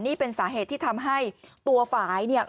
นี่เป็นสาเหตุที่ทำให้ตัวฝ่ายเนี่ย